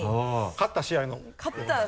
勝った試合